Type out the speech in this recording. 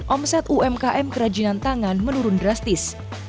omset umkm kerajinan tangan menurun drastis